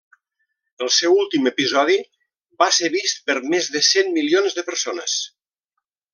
El seu últim episodi va ser vist per més de cent milions de persones.